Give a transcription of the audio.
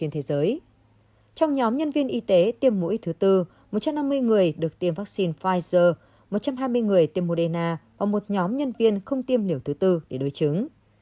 trong nhóm nhân viên y tế tiêm mũi thứ tư một trăm năm mươi người được tiêm vaccine pfizer một trăm hai mươi người tiêm moderna và một nhóm nhân viên không tiêm liều thứ tư để đối chứng